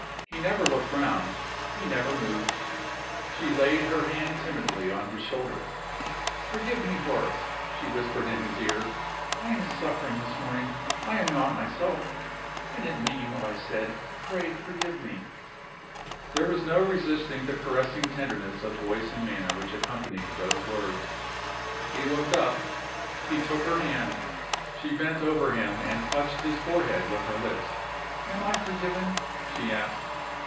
He never looked round; he never moved. She laid her hand timidly on his shoulder. "Forgive me, Horace," she whispered in his ear. "I am suffering this morning; I am not myself. I didn't mean what I said. Pray forgive me." There was no resisting the caressing tenderness of voice and manner which accompanied those words. He looked up; he took her hand. She bent over him, and touched his forehead with her lips. "Am I forgiven?" she asked.